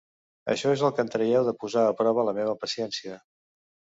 Això és el que en traieu de posar a prova la meva paciència.